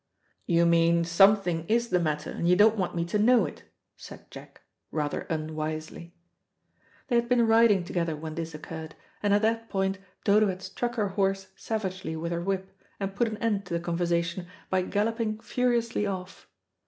"You mean something is the matter, and you don't want me to know it," said Jack, rather unwisely. They had been riding together when this occurred, and at that point Dodo had struck her horse savagely with her whip, and put an end to the conversation by galloping furiously off.